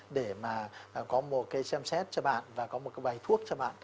để mà có một cái xem xét cho bạn và có một cái bài thuốc cho bạn